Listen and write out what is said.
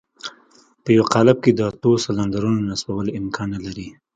په يوه قالب کې د اتو سلنډرو نصبول امکان نه لري.